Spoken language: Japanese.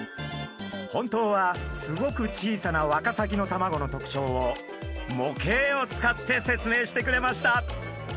本当はすごく小さなワカサギの卵の特徴を模型を使って説明してくれました。